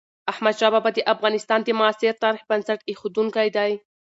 احمدشاه بابا د افغانستان د معاصر تاريخ بنسټ اېښودونکی دی.